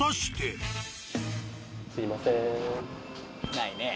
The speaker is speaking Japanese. ないね。